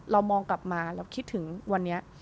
เรามองกลับมาเราคิดถึงวันนี้